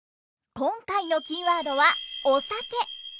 今回のキーワードはお酒！